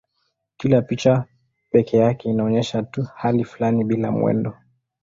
Kila picha pekee yake inaonyesha tu hali fulani bila mwendo.